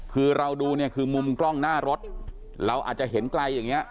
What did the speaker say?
คือเราดูเนี่ยคือมุมกล้องหน้ารถเราอาจจะเห็นไกลอย่างนี้